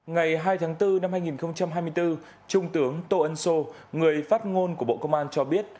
ngày hai tháng bốn năm hai nghìn hai mươi bốn trung tướng tô ân sô người phát ngôn của bộ công an cho biết